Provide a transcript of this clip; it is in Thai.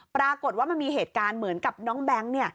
ปรากฏว่ามันมีเหตุการณ์เหมือนกับน้องแบงค์